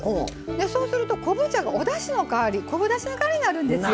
そうすると昆布茶がおだしの代わり昆布だしの代わりになるんですよ。